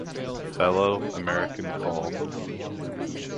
Fellow, American Coll.